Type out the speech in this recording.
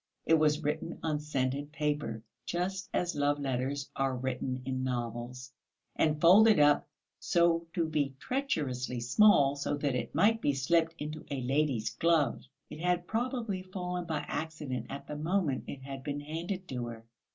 It was written on scented paper, just as love letters are written in novels, and folded up so as to be treacherously small so that it might be slipped into a lady's glove. It had probably fallen by accident at the moment it had been handed to her.